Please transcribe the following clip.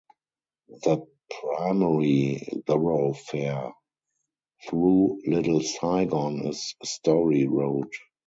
The primary thoroughfare through Little Saigon is Story Road.